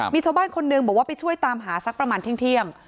มีชาวบ้านคนหนึ่งบอกว่าไปช่วยตามหาสักประมาณเที่ยง